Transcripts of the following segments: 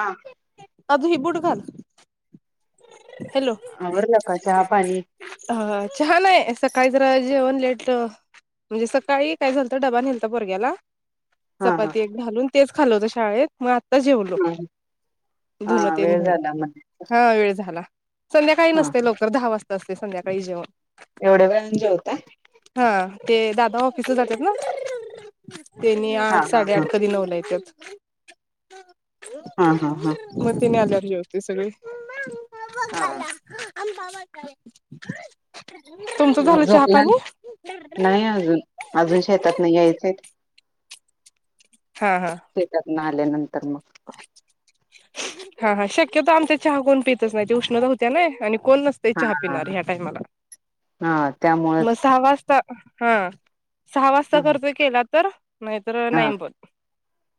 हा. आधि हे बूट घाल. हॅलो आवरल का चहा पाणी. अ चहा नाही. सकाळी जरा जेवन लेट म्हणजे सकाळी काय झालत डबा नेलता पोरग्याला. हा हा चपाती एक घालून तेच खाल्ल होत शाळेत. मग आत्ता जेवलो. धून हा तेन वेळ धून. झाला म्हण हा वेळ झाला. संध्याकाळी हा नसते लवकर दहा वाजता असते संध्याकाळी जेवण. एवढ्या वेळानं जेवता. हा ते दादा ऑफिसला जातात ना. तेनी हा आठ हा हा साडेआठ कधी नऊला येत्यात. हा हा हा मग तिने आल्यावर जेवते सगळे. हा. हंबा बघायला. मग झोपला. नाही अजून. अजून शेतातन यायचेत. हा हा शेतातन आल्यानंतर मग हा हा शक्यतो आमच्यात चहा कोण पेतच नाही. ते उष्णता होत्या ना‌. आणि कोण नसत. ते हा चहा हा पिणार ह्या टाइमाला. हा मग त्यामुळेच सहा वाजता हा सहा वाजता हा करतोय केला. तर नाहीतर नाही पण.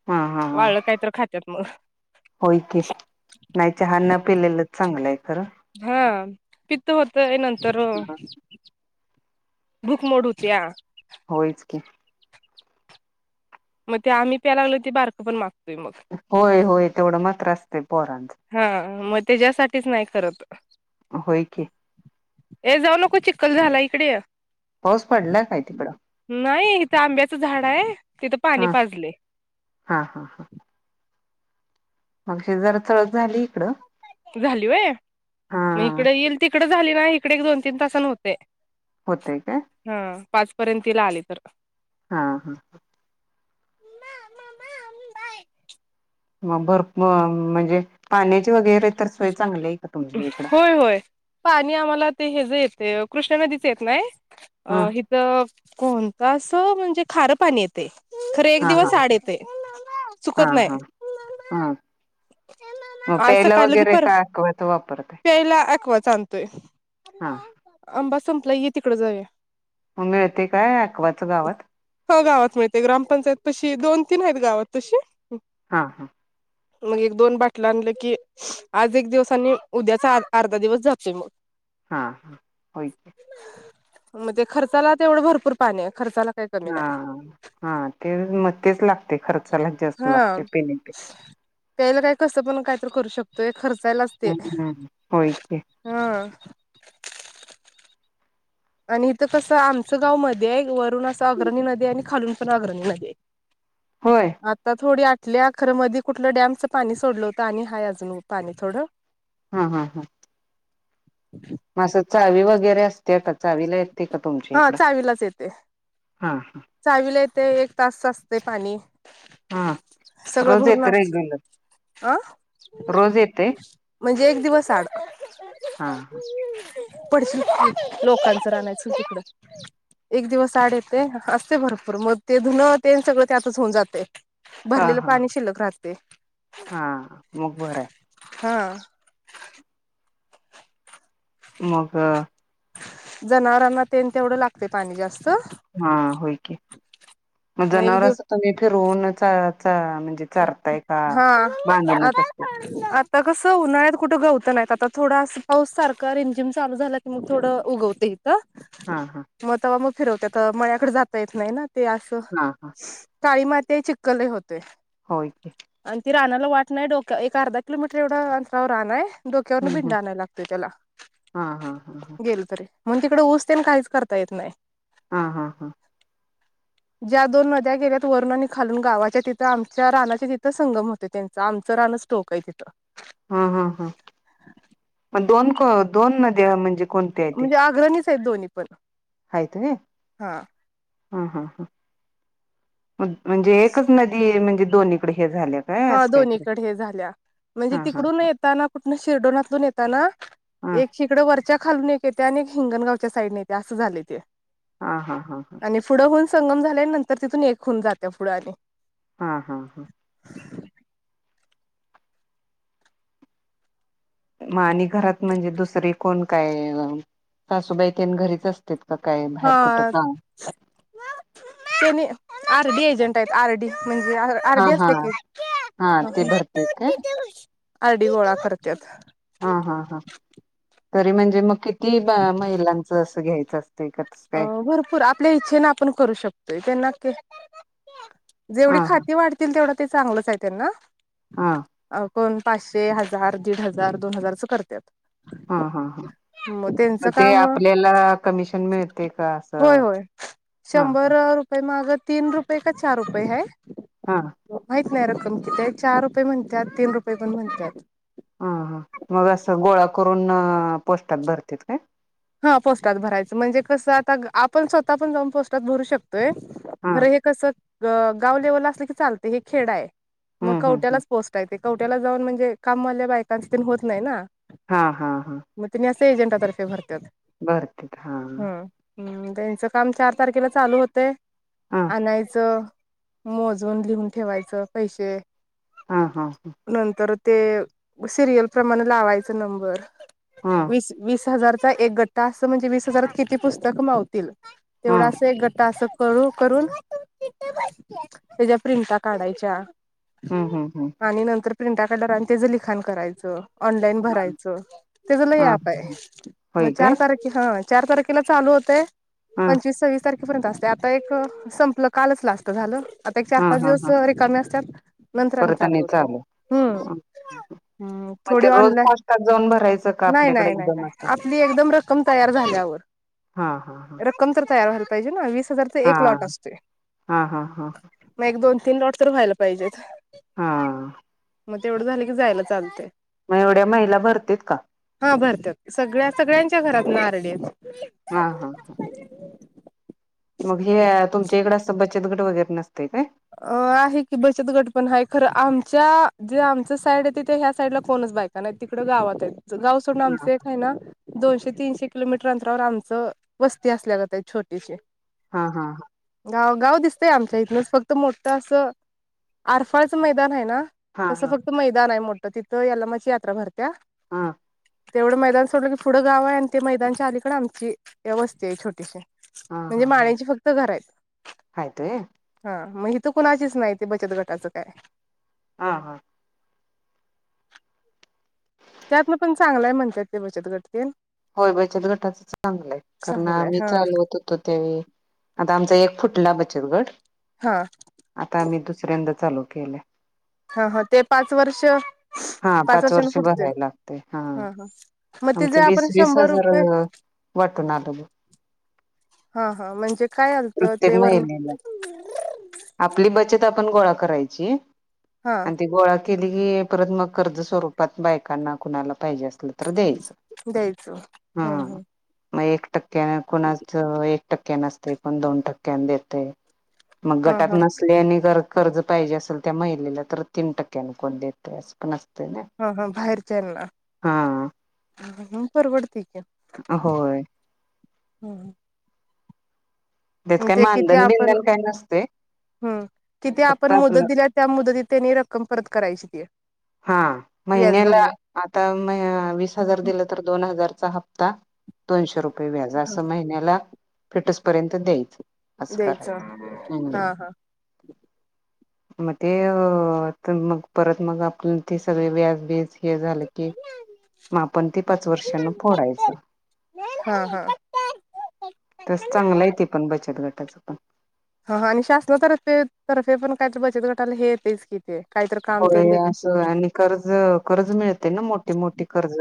हा हा हा वाळलं काय तर खात्यात मग. होय की. नाही चहा न पिलेलंच चांगलय खर. हा पित्त होतय. नंतर भूक मोड होतीया. होयच की. मग ते आम्ही प्यायला लागलो ते बारकं पण मागतोय मग. होय होय तेवढं मात्र असतंय पोरांच. हा मग त्याच्यासाठीच नाही करत. होय की हे जाऊ नको चिक्कल झाला इकडे ये पाऊस पडलाय काय तिकडं नाही इथं आंब्याचं झाड आहे तिथं पाणी हा पाजले हा हा हा मगशी जरा चळत झाली इकडं झालीय व्हय मग हा इकडे येईल तिकडे झाली ना इकडे दोन तीन तासान होतीय. होतय काय हा पाचपर्यंत तिला आली तर हा हा ह. मग भरपूर म्हणजे पाण्याचे वगैरे तर सोय चांगली आहे की. होय होय पाणी आम्हाला ते हे च येते कृष्ण नदीचे येत नाही. अ हा हिथ कोणत अस म्हणजे खार पाणी येते खरे एक हा हा दिवस आड येते हा चुकत नाही हा हा आज सकायलं की पर त वापरत प्यायला अकवाच आणतोय हा अंबा संपला ये तिकड जाऊ मिळते काय अक्वॉच गावात हो गावात मिळते. ग्रामपंचायत पशी दोन तीन आहेत गावात तशी हा हा मग एक दोन बाटल आणलं की आज एक दिवस उद्याचा अर्धा दिवस जातोय मग हां हां. होच. मग ते खर्चाला तेवढं भरपूर पाणी आहे खर्चाला. काही कमी नाही हा-हा ते म तेच लागते खर्चालाच जास्त हा लागते पेन्यापेक्षा प्यायला काय कसं पण काय तर करू शकतोय खर्चायलाच. ह ह होय की‌. ह. आणि इथं कसं आमचं गाव मध्ये आहे वरुन असं आग्रणी नदी आहे आणि खालून पण आग्रणी नदी आहे. होय आता थोडी आठल्या आहे खर मध्ये कुठलं डॅमचं पाणी सोडलं होतं आणि आहेय अजून पाणी थोडं हा हा हा अच् अस चावी वगैरे असते का चावीला येते का तुमच्या हा इकडं चावीलाच येते हा हा चावीला येते एक तास असते पाणी हा सगळं रोज भरून येत एक असत दिवस अ म्हणजे एक दिवस आड हा हा पडसील खाली लोकांच रान आहे चल तिकड एक दिवस आड येते अस भरपूर मग ते धुन ते सगळं त्यातच होऊन जाते हा भरलेलं हा पाणी शिल्लक राहते हा मग बरं आहे हा मग जनावरांना तेन तेवढं लागते पाणी जास्त हा होय की मग एक जनावर दिव असं तुम्ही फिरवन म्हणजे चारताय का हा बांधूनच आता असते आता कस उन्हाळ्यात कुठ गवत नाहीत आता थोडा पाऊस सारखा रिमजिम चालू झाला मग थोड उगवते इथ हा हा मग तवा मग फिरवत्यात मळ्याकड जाता येत नाही ना ते मग हा हा अस काळी माती आहे चिकल लई होतय. होय की. आणि ती रानाला वाट नाही डोक्या एक अर्धा किलोमीटर एवढं अंतरावर रानाय. डोक्यावरन हम्म हम्म बिंडा आणायला लागतोय त्याला हा हा हा गेलो तरी. म्हण तिकड ऊस तेन काहीच करता येत नाही. हा हा हा. ज्या दोन नद्या गेल्यात वरून आणि खालून गावाच्या तिथं आम च्या रानाच्या तिथ संगम होते त्यांचं आमच रानच टोक हाय तिथ. हम्म हम्म हम्म मग दोन के दोन नद्या म्हणजे कोणत्या म्हणजे आग्रणीच हाईत दोन्ही पण. हाईत होय हा हा हा हा. म्हणजे एकच नदी म्हणजे दोनीकड हे झाल्यात. हा दोन्हीकड हे झाल्या म्हणजे हा हा तिकडून येताना कुठन शिरडोनातून येताना - - हा एक इकड वरच्या खालून एक येत्या आणि एक हिंगणगावच्या साईडन येत्या अस झालय ते. हा हा हा हा. आणि पुढं होऊन संगम झालय नंतर तिथून एक होऊन जात्या पुढं आणि हा हा हां. [inaudible] मग आणि घरात म्हणजे दुसरी कोण काय सासूबाई तेन घरीच असत्यात. तितक काय बाहेर कुठ हा काम त्यानी आर डी एजंट आहेत आर डी म्हणजे आर आर हा डी हा असते की हा ते भरते काय [unintelligible] आर डी गोळा करत्यात. हा हा हा तरी म्हणजे मग किती महिलांच अस घ्यायच अस अ भरपूर आपल्या इच्छेन आपण करू शकतोय त्यांना के जेवढी हा हा खाती वाढतील तेवढं ते चांगलंच आहे त्यांना हा अ ब कोण पाचशे हजार दीड हजार दोन हजारच करत्यात. हम्म हम्म ह मग त्यांचं ते काम आपल्याला कमिशन मिळते का? होय असं होय हा हा शंभर रुपये मागं तीन रुपये का चार रुपये हाय. हा. माहित नाही रक्कम कितीय चार रुपये म्हणतात तीन रुपय पण म्हणत्यात. हा हा मग असं गोळा करून पोस्टात भरतेत काय. हा पोस्टात भरायचं म्हणजे कसं आता आपण स्वतः पण जाऊन पोस्टात भरू शकतोय हा खर हे कस गाव लेवलला असल की चालतय हे खेडाय मग हम्म हम्म हम्म कवट्यालाच पोच - ता येतय कवट्याला जाऊन म्हणजे कामवाल्या बायकांच तेन होत नाही ना. हा हा हा. म त्यानी अस एजंटा तरफे भरतात. भरत्यात हा. हम्म त्यांचं काम चार तारखेला चालू होतय हा आणायचं - मोजून लिहून ठेवायचं पैशे. हा हां हा. नंतर ते सिरियल प्रमाण लावायच नंबर. हा. वीस हजार चा एक गट्टा अस म्हणजे वीस हजारात किती पुस्तक मावतील. तेवढा हम्म असं एक गट्टा असं कळू करून त्याच्या प्रिंटा काढायच्या. हम्म हम्म आणि नंतर प्रिंटा काढल्या वर आणि तेच लिखाण करायचं. ऑनलाईन भरायचं त्याच लई हा व्यापाय. होय काय चार तारखे हा चार तारखेला चालू होतय हा पंचवीस सव्वीस तारखे पर्यंत असतय आता एक संपलं कालच लास्ट झालं आता एक चार हा पाच हा दिवस हा रिकामी असतात. नंतर परत चालू आणि होते हम्म हम्म मग ते थोडी रोज आणलाय पोस्टात जाऊन भरायचं का नाही आपल्याकडे नाही नाही एकदम नाही असं आपली एक. एकदम रक्कम तयार झाल्यावर हा हा हा रक्कम तर पाहिजे ना वीस हजार. ते हा एक लॉट असते हा हा हा मग एक दोन तीन लॉट तर व्हायला पाहिजेत. हा मग तेवढं झालं की जायला चालते. मग एवढ्या महिला भरती का? हा भरत सगळ्या सगळ्यांच्या घरात न आारडीत. हा हा हा मग हे तुमच्या इकडें असं बचतगड वगैरे नसते काय अ आहे की बचत गटपण हा खरं आमच्या जे आमच साईड आहेथ ह्या साईड ला कोणच बायक नाही तिकडं गावात आहे गाव सोडं हा आमचं एक आहे ना दोनशे तीनशे किलोमीटर अंतरावर आमचं वस्ती असल्याला त्या छोटीशी हा हा गाव गाव दिसतंय आमच्या इथनच फक्त मोठं असं आरफाळचं मैदान आहे ना हा तसं हा फक्त मैदान आहे मोठं तिथं याला म यात्रा भरत्या. हा तेवढं मैदान सोडलं की पुढं गाव आहे आणि ते मैदानच्या अलीकडे आमची ववस्था आहे छोटीशी. हा म्हणजे हां हां माळ्यांची फक्त घर आहेत आयतय. हा मग ह तर कुणाचीच नाही त बचत गटाचं काय. हा हा त्यातन पण चांगलाय म्हणतात ते बचत गटतील. होय बचत गटाच चांगलंय कारण चांगलंय आम्ही हा चालवत होतो तेवे. आता आमचा एक फुटला बचत गट. हा आता आम्ही दुसऱ्यांदा चालू केल्या. हा हा ते पाच वर्ष हा पाच पाच वर्षांन वर्ष पुटत भरायला लागतय हा हा. मग तिथे आमचं वीस आपण वीस शंभर हजार रुपये. [inaudible] हा हा म्हणजे काय आलतं प्रत्येक ते वरण महिलेला आपली बचत आपण गोळा करायची हा आणि गोळा केली की परत मग कर्ज स्वरूपात बायकांना कुणाला पाहिजे असल द्यायचं द्यायचं ह हम्म ह मग एक टक्क्यान कोणाच एक टक्क्या न असते कोण दोन टक्क्यान देते मग हा गटात हा नसल्या आणिर कर्ज पाहिजे असेल त्या महिलेला तर तीन टक्क्यांन कोण देत सकन असत ना हा हा अ हे परवडतीच्या होय हम् त्यात काही ते किती मानधन आपण बिनधन काय नसते हम् किती फक्त आपण आपलं मुदत दिल्या त्या मुदतीत त्यांनी रक्कम परत करायची ते हा महिन्याला आता वीस हजार दिलं तर दोन हजारचा हप्ता दोनशे रुपये व्याज असं महिन्याला फिटस पर्यंत द्यायच अस सुुखारय द्यायचं हम्म हा हा मग ते मग परत मग आप ते सगळे व्याजबीज हे झालं की मग आपण ती पाच वर्षांन फोडायचं हा हा हा तस चांगलं आहे ते पण बचत गटाचं पण हा आणि शासनातर्फे तर्फे पण काय बचत गटायला हे येतेच किती कायत का होय असं आणि कर्ज कर्ज मिळते ना मोठीे मोठीे कर्ज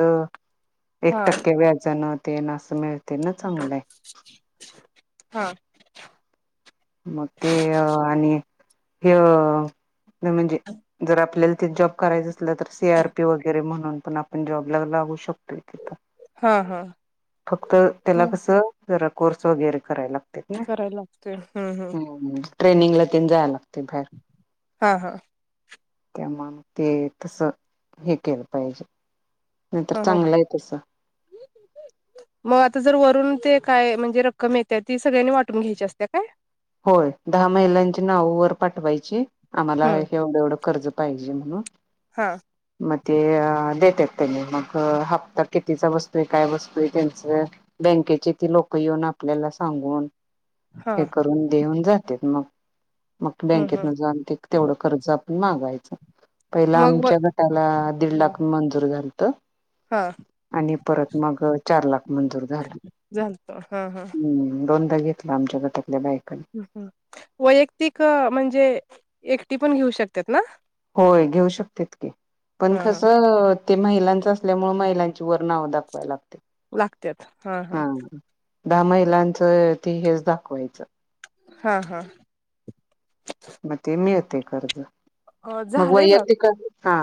एक हा खक्ये व्याज न ते न असं मिळते ना चांगलं आहे. हा. मग ते अ आणि हे अ. न म्हणजे जर आपल्याला ती त जॉब करायचं. ल तर सी आर पी वगैरे म्हणून पण आपण जॉबला लावू शकतोय तिथं. हा हा फक्त त्याला हा कस जरा कोर्स वगैरे करायलाग. करायला लागतो हम्म हम्म. हो मंग ट्रेनिंग ला तेन जाया लागते भाहेर. हा हा. त्या मंग ते तस हे केलं पाहिजे. नाही तर हा हा चांगलं आहे तस. म आता जर वरून ते काय म्हणजे रक्कम येते ती सगळ्यांनी वाटून घ्यायची असते काय? होय दहा महिलांची नाव वर पाठवायची. आम्हाला हम्म एवढं एवढं कर्ज पाहिजे म्हणून. हा म ते देते त्यात त्यांनी मग हप्ता कितीचा बसतुय काय बसतुय त्यांचं बँकेची ती लोक येऊन आपल्याला सांगून. हा. हे करून देऊन जातेत मग मग हम्म बँकेत हम्म जाऊन ते तेवढं कर्ज आपण मागवायच पहिला मग व आमच्या गटाला दीड लाख मंजूर झाल. त हा आणि परत मग चार लाख मंजूर झालं. झालत हा हा हम्म दोनदा घेतल आमच्या गटातल्या बायकांनी. हम्म हम्म वैयक्तिक म्हणजे एकटी पण घेऊ शकत्यात ना. होय घेऊ शकतेत की पण हा हा कसं ते महिलांच असल्यामुळे महिलांची वर नाव दाखवाय लाग लागत्यात हा हा. दहा महिलांचं ते हेच दाखवायचं. हा हा. मग ते मिळते कर्ज अ मग झालंय बघा वैयक्तीक कर्ज हा.